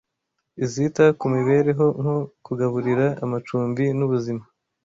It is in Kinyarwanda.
izita ku mibereho nko kugaburira amacumbi nubuzima